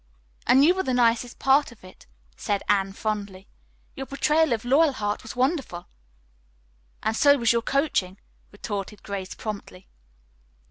"And you were the nicest part of it," said Anne fondly. "Your portrayal of Loyalheart was wonderful." "And so was your coaching," retorted Grace, promptly.